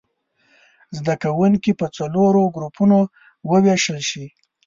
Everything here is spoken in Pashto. زده کوونکي په څلورو ګروپونو ووېشل شي.